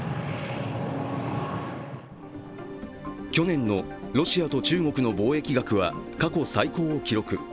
去年のロシアと中国の貿易額は過去最高を記録。